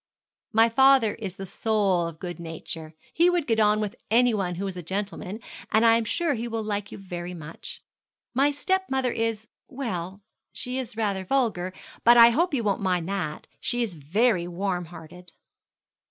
'My father is the soul of good nature. He would get on with anyone who is a gentleman, and I am sure he will like you very much. My stepmother is well, she is rather vulgar. But I hope you won't mind that. She is very warm hearted.'